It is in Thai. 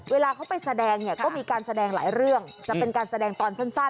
เวลาเขาไปแสดงเนี่ยก็มีการแสดงหลายเรื่องจะเป็นการแสดงตอนสั้น